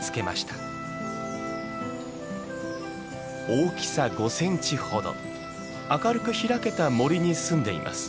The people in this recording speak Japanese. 大きさ５センチほど明るく開けた森に住んでいます。